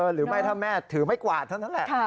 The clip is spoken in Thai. หรือไม่ถ้าแม่ถือไม้กวาดเท่านั้นแหละ